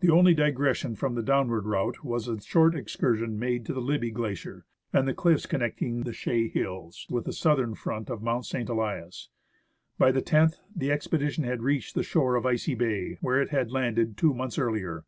The only digression from the downward route was a short excursion made to the Libbey Glacier and the cliffs connecting the Chaix Hills with the south front of Mount St. Elias. By the loth the ex pedition had reached the shore of Icy Bay, where it had landed two months earlier.